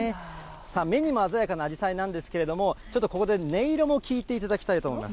さあ、目にも鮮やかなあじさいなんですけれども、ちょっとここで音色も聞いていただきたいと思います。